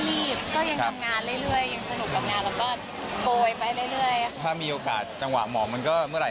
ยังสนุกกับงานแล้วก็โกยไปเรื่อยเรื่อยถ้ามีโอกาสจังหวะหมอมันก็เมื่อไหร่